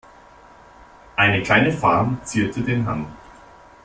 Eine kleine Farm zierte den Hang.